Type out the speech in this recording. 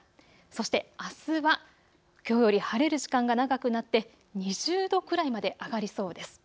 そしてあすはきょうより晴れる時間が長くなって、２０度くらいまで上がりそうです。